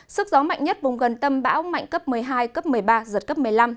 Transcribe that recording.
sức gió mạnh nhất vùng gần tâm bão mạnh cấp một mươi hai cấp một mươi ba giật cấp một mươi năm